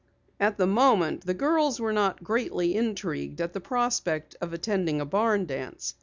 At the moment, the girls were not greatly intrigued at the prospect of attending a barn dance.